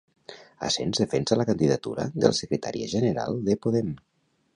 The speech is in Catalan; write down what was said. Asens defensa la candidatura de la secretària general de Podem.